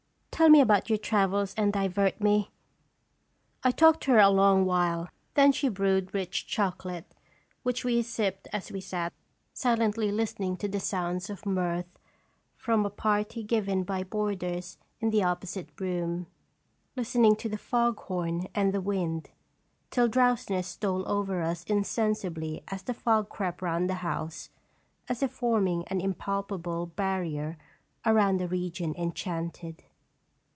Tell me about your travels, and divert me." I talked to her a long while ; then she brewed rich chocolate, which we sipped as we sat silently listening to the sounds of mirth from a party given by boarders in the opposite room, listening to the fog horn and the wind, till drowsiness stole over us insensibly as the fog crept round the house, as if forming an im palpable barrier around a region enchanted.